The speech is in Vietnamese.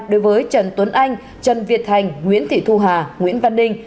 đối với trần tuấn anh trần việt thành nguyễn thị thu hà nguyễn văn ninh